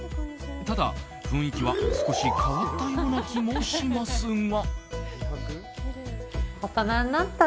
ただ、雰囲気は少し変わったような気もしますが。